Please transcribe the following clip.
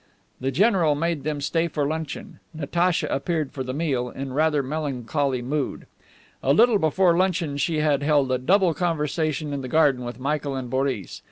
The general made them stay for luncheon. Natacha appeared for the meal, in rather melancholy mood. A little before luncheon she had held a double conversation in the garden with Michael and Boris.